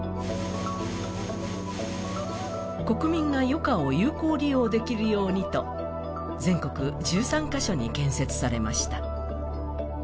国民が余暇を有効利用できるようにと、全国１３か所に建設されました。